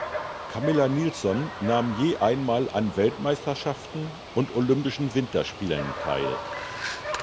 Camilla Nilsson nahm je einmal an Weltmeisterschaften und Olympischen Winterspielen teil.